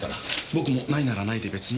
僕もないならないで別に。